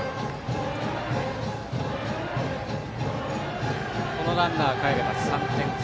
二塁ランナーがかえれば３点差。